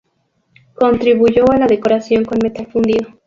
Contribuyó a la decoración con metal fundido.